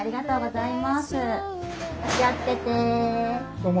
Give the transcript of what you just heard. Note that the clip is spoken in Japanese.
どうも。